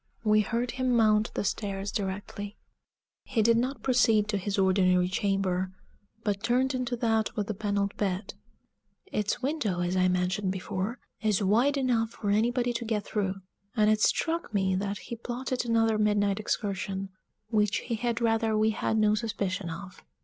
We heard him mount the stairs directly. He did not proceed to his ordinary chamber, but turned into that with the paneled bed; its window, as I mentioned before, is wide enough for anybody to get through, and it struck me that he plotted another midnight excursion, which he had rather we had no suspicion of.